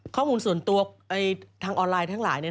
ข้อมูลส่วนตัวทางออนไลน์ทั้งหลาย